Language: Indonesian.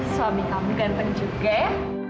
suami kamu ganteng juga